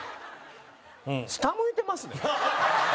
下向いてますね。